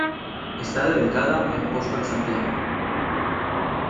Está dedicada al Apóstol Santiago.